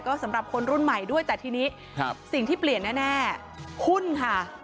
ก็สำหรับคนรุ่นใหม่ด้วยแต่ทีนี้สิ่งที่เปลี่ยนแน่หุ้นค่ะ